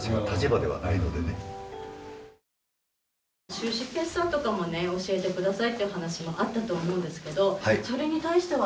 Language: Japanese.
収支決算とかもね教えてくださいっていう話もあったと思うんですけどそれに対してはどうなんでしょうか？